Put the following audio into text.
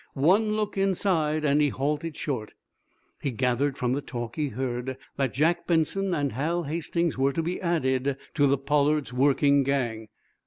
One look inside, and he halted short. He gathered from the talk he heard that Jack Benson and Hal Hastings were to be added to the "Pollard's" working gang.